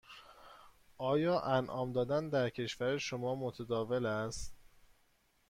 آیا انعام دادن در کشور شما متداول است؟